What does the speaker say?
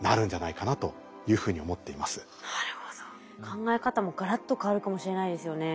考え方もガラッと変わるかもしれないですよね。